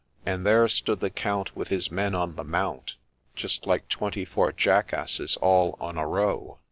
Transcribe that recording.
And there stood the Count, With his men, on the mount, Just like ' twenty four jackasses all on a row.'